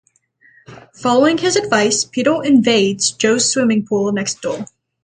Following his advice, Peter "invades" Joe's swimming pool next door.